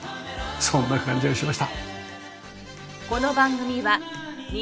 そんな感じがしました。